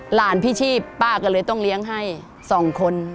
พี่ชีพป้าก็เลยต้องเลี้ยงให้สองคน